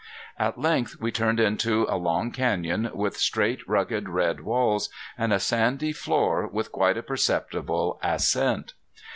At length we turned into a long canyon with straight rugged red walls, and a sandy floor with quite a perceptible ascent.